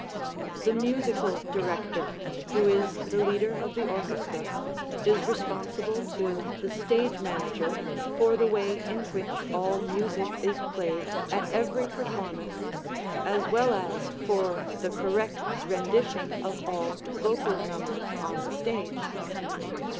The Musical Director, who is the leader of the orchestra, is responsible to the Stage Manager for the way in which all music is played at every performance, as well as for the correct rendition of all vocal numbers on the stage.